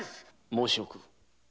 申しおく。